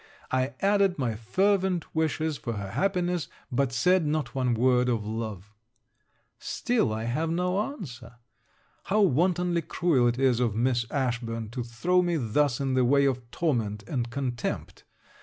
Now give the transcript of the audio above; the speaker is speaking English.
I added my fervent wishes for her happiness, but said not one word of love. Still I have no answer. How wantonly cruel it is of Miss Ashburn to throw me thus in the way of torment and contempt!